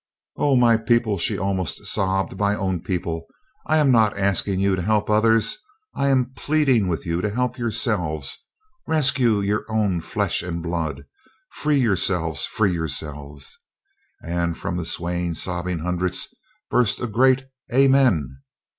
"Oh, my people!" she almost sobbed. "My own people, I am not asking you to help others; I am pleading with you to help yourselves. Rescue your own flesh and blood free yourselves free yourselves!" And from the swaying sobbing hundreds burst a great "Amen!"